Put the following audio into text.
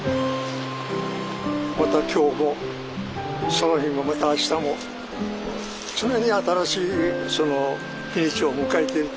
また今日もその日もまたあしたも常に新しい日にちを迎えていて。